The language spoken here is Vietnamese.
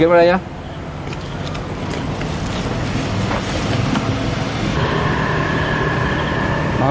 kiểm tra vào đây nhé